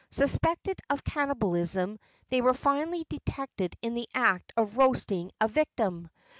Suspected of cannibalism, they were finally detected in the act of roasting a victim.